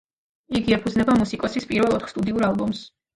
იგი ეფუძნება მუსიკოსის პირველ ოთხ სტუდიურ ალბომს.